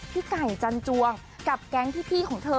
พี่ไก่จันจวงกับแก๊งพี่ของเธอ